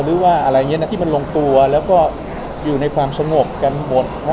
หรือว่าอะไรอย่างนี้นะที่มันลงตัวแล้วก็อยู่ในความสงบกันหมด